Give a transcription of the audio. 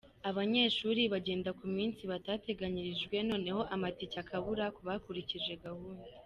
Abanyeshuri bagenda ku minsi batateganyirijwe noneho amatike akabura ku bakurikije gahunda.